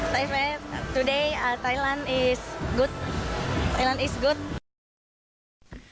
ไทยแฟนวันนี้ไทยแลนด์เป็นที่ดี